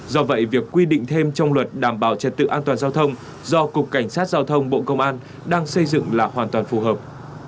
do vậy việc quy định thêm trong luật đảm bảo trật tự an toàn giao thông do cục cảnh sát giao thông bộ công an đang xây dựng là hoàn toàn phù hợp